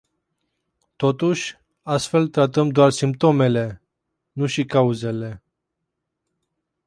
Totuși, astfel tratăm doar simptomele, nu și cauzele.